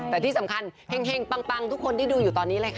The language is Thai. แต่ที่สำคัญเฮ่งปังทุกคนที่ดูอยู่ตอนนี้เลยค่ะ